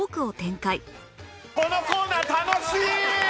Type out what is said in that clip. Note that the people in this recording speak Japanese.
このコーナー楽しい！